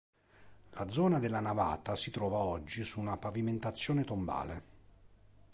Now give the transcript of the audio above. La zona della navata si trova oggi su una pavimentazione tombale.